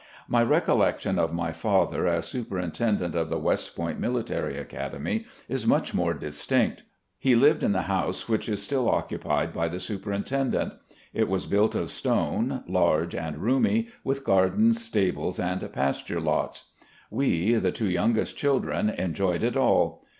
My recollection of my father as Superintendent of the West Point Military Academy is much more distinct. He lived in the house which is still occupied by the Superintendent. It was built of stone, large and roomy, with gardens, stables, and pasture lots. We, the two youngest children, enjoyed it all.